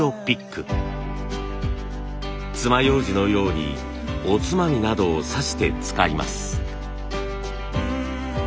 爪ようじのようにおつまみなどを刺して使います。